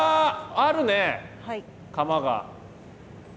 あるね窯が。